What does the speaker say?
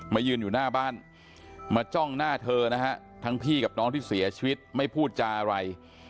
ยืนอยู่หน้าบ้านมาจ้องหน้าเธอนะฮะทั้งพี่กับน้องที่เสียชีวิตไม่พูดจาอะไร